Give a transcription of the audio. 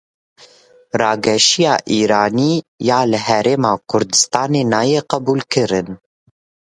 Rageşiya Îranê ya li Herêma Kurdistanê nayê qebûlkirin.